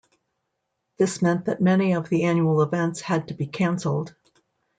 This meant that many of the annual events had to be cancelled.